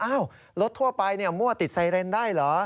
รถทั่วไปมั่วติดไซเรนได้เหรอ